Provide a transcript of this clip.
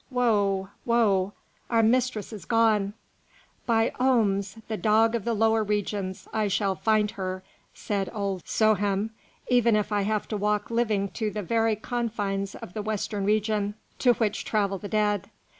woe! woe! Our mistress is gone!" "By Oms, the dog of the lower regions, I shall find her," said old Souhem, "even if I have to walk living to the very confines of the Western Region to which travel the dead.